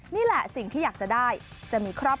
นี่แหละสิ่งที่อยากจะได้